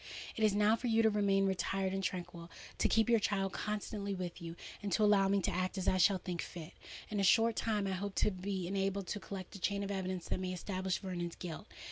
It is now for you to remain retired and tranquil—to keep your child constantly with you—and to allow me to act as I shall think fit. In a short time I hope to be enabled to collect a chain of evidence that may establish Vernon's guilt.